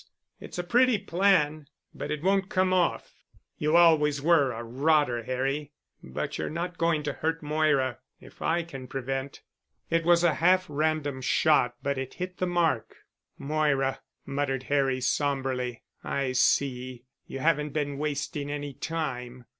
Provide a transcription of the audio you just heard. It's a pretty plan, but it won't come off. You always were a rotter, Harry. But you're not going to hurt Moira, if I can prevent." It was a half random shot but it hit the mark. "Moira," muttered Harry somberly. "I see. You haven't been wasting any time."